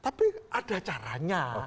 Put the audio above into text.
tapi ada caranya